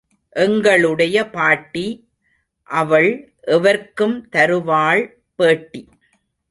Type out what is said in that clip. எங்களுடைய பாட்டி—அவள் எவர்க்கும் தருவாள் பேட்டி!